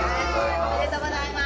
おめでとうございます！